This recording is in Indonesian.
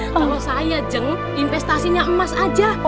kalau saya jeng investasinya emas aja